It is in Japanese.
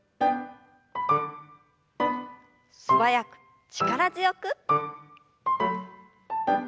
素早く力強く。